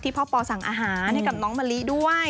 พ่อปอสั่งอาหารให้กับน้องมะลิด้วย